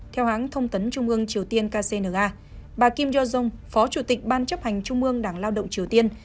theo hãng thông tấn trung ương triều tiên kcna bà kim jong phó chủ tịch ban chấp hành trung ương đảng lao động triều tiên